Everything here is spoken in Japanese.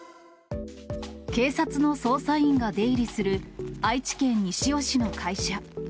警察の捜査員が出入りする、愛知県西尾市の会社。